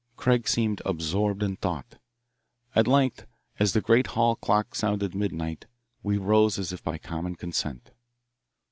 Craig seemed absorbed in thought. At length, as the great hall clock sounded midnight, we rose as if by common consent.